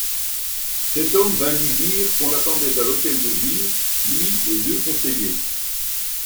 Cet homme vint lui dire qu'on l'attendait à l'Hôtel de Ville, lui et deux conseillers.